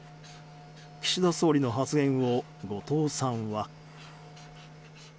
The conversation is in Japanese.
岸田総理の発言を後藤さんは。